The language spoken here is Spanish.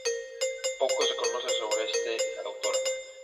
Poco se conoce sobre esta autora.